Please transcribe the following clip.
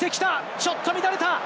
ちょっと乱れた！